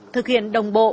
thực hiện đồng bộ